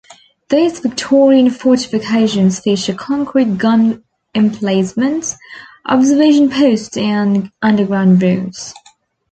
These Victorian fortifications feature concrete gun emplacements, observation posts and underground rooms.